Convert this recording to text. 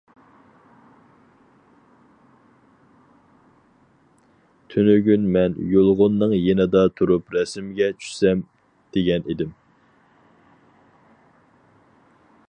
تۈنۈگۈن مەن يۇلغۇننىڭ يېنىدا تۇرۇپ رەسىمگە چۈشسەم دېگەن ئىدىم.